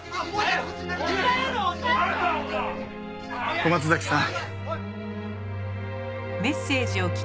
小松崎さん。